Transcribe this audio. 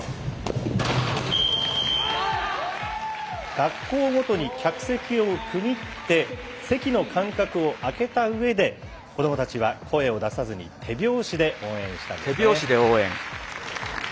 学校ごとに客席を区切って席の間隔を空けたうえで子どもたちは声を出さずに手拍子で応援したんですね。